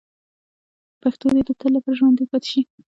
پښتو دې د تل لپاره ژوندۍ پاتې شي.